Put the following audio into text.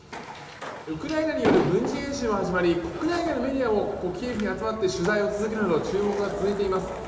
ウクライナによる軍事演習も始まり国内外のメディアもここ、キエフに集まって取材を続けるなど注目が続いています。